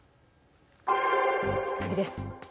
次です。